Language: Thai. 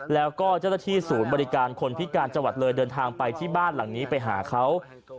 แล้วก็เจ้าหน้าที่ศูนย์บริการคนพิการจังหวัดเลยเดินทางไปที่บ้านหลังนี้ไปหาเขา